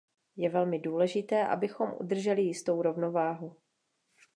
Je velmi důležité, abychom udrželi jistou rovnováhu.